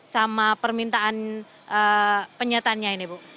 sama permintaan penyetannya ini bu